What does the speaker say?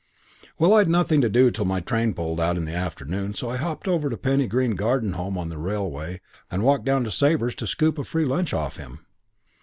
"Well, I'd nothing to do till my train pulled out in the afternoon, so I hopped it over to Penny Green Garden Home on the railway and walked down to old Sabre's to scoop a free lunch off him.